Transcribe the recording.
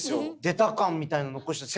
出た感みたいなの残して。